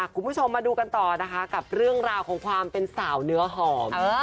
คุณผู้ชมมาดูกันต่อนะคะกับเรื่องราวของความเป็นสาวเนื้อหอม